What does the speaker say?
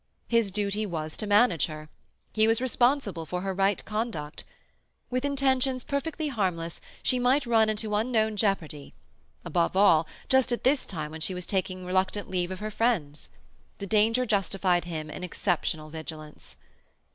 His duty was to manage her. He was responsible for her right conduct. With intentions perfectly harmless, she might run into unknown jeopardy—above all, just at this time when she was taking reluctant leave of her friends. The danger justified him in exceptional vigilance.